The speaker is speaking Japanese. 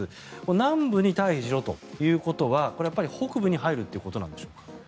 南部に退避しろということはこれはやっぱり北部に入るということなんでしょうか。